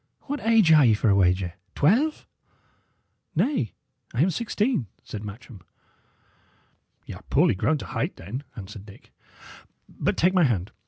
What age are ye, for a wager? twelve?" "Nay, I am sixteen," said Matcham. "Y' are poorly grown to height, then," answered Dick. "But take my hand.